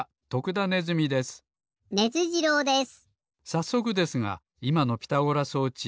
さっそくですがいまのピタゴラ装置